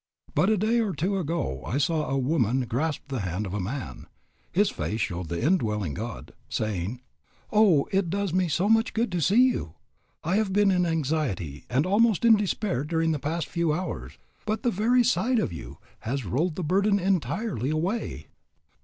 But a day or two ago I saw a woman grasp the hand of a man (his face showed the indwelling God), saying, "Oh, it does me so much good to see you. I have been in anxiety and almost in despair during the past few hours, but the very sight of you has rolled the burden entirely away."